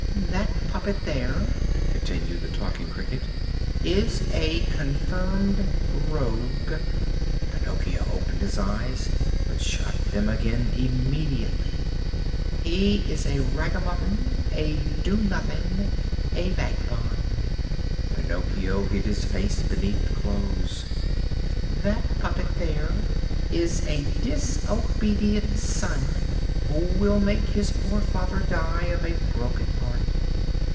"That puppet there," continued the Talking Cricket, "is a confirmed rogue." Pinocchio opened his eyes, but shut them again immediately. "He is a ragamuffin, a do nothing, a vagabond." Pinocchio hid his face beneath the clothes. "That puppet there is a disobedient son who will make his poor father die of a broken heart!"